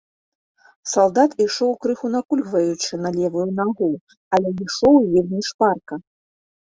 Салдат ішоў крыху накульгваючы на левую нагу, але ішоў вельмі шпарка.